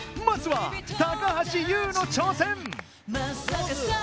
まずは高橋ユウの挑戦